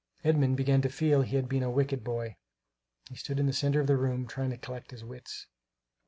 Edmund began to feel he had been a wicked boy. He stood in the centre of the room, trying to collect his wits.